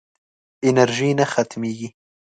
انرژي نه ختمېږي.